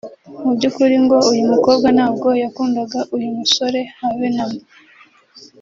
Mu by’ukuri ngo uyu mukobwa ntabwo yakundaga uyu musore habe na mba